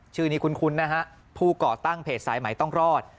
ชื่อนี้คุ้นนะฮะผู้ก่อตั้งเพจสายใหม่ต้องรอด